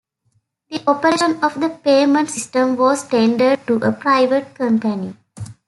The operation of the payment system was tendered to a private company.